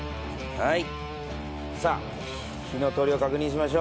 はい。